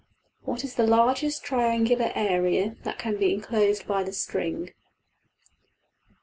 What is the largest triangular area that can be enclosed by the string?